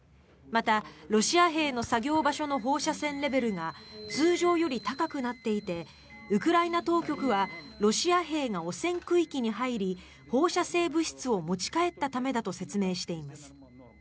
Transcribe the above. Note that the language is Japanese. また、ロシア兵の作業場所の放射線レベルが通常より高くなっていてウクライナ当局はロシア兵が汚染区域に入り放射性物質を持ち帰ったためだと説明しています。